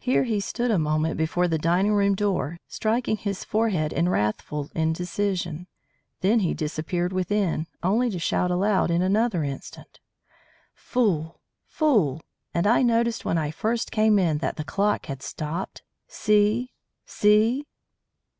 Here he stood a moment before the dining room door, striking his forehead in wrathful indecision; then he disappeared within, only to shout aloud in another instant: "Fool! fool! And I noticed when I first came in that the clock had stopped. See! see!"